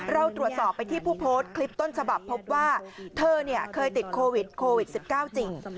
เราตรวจสอบไปที่ผู้โพสต์คลิปต้นฉบับพบว่าเธอเคยติดโควิดโควิด๑๙จริง